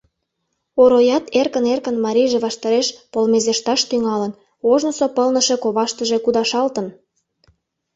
Ороят эркын-эркын марийже ваштареш полмезешташ тӱҥалын, ожнысо пылныше коваштыже кудашалтын.